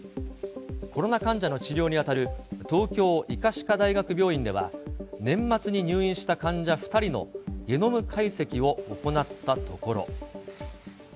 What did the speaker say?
コロナ患者の治療に当たる東京医科歯科大学病院では、年末に入院した患者２人のゲノム解析を行ったところ。